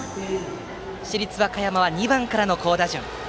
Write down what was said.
市立和歌山は２番からの好打順。